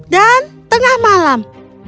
dan tengah malam